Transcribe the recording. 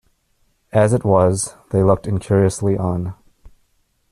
As it was, they looked incuriously on.